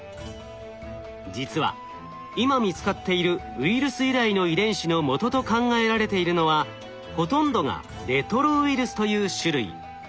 実は今見つかっているウイルス由来の遺伝子のもとと考えられているのはほとんどがレトロウイルスという種類。